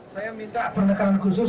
saya minta pendekanan khusus